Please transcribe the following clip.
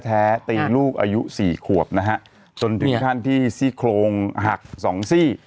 แท้ตีลูกอายุสี่ขวบนะฮะจนถึงขั้นที่ซี่โครงหักสองซี่